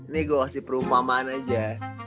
nih gue kasih perumpamaan aja